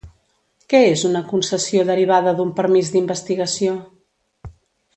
Què és una concessió derivada d'un permís d'investigació?